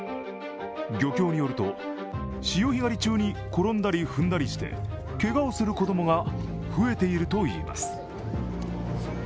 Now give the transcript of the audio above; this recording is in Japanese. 漁協によると、潮干狩り中に転んだり踏んだりしてけがをする子供が増えているといいます。